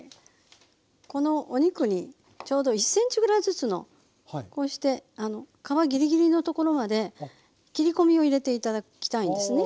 このお肉にちょうど１ｃｍぐらいずつのこうして皮ぎりぎりの所まで切り込みを入れて頂きたいんですね。